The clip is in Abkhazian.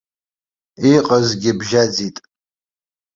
Иҟазгьы бжьаӡит.